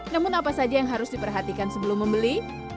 namun apa saja yang harus diperhatikan sebelum membeli